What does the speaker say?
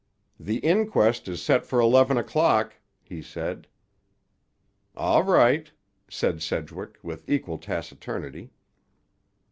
"The inquest is set for eleven o'clock," he said. "All right," said Sedgwick with equal taciturnity.